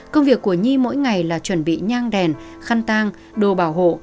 công việc của nhi mỗi ngày là chuẩn bị nhang đèn khăn tang đồ bảo hộ